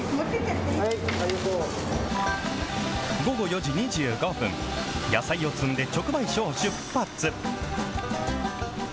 午後４時２５分、野菜を積んで直売所を出発。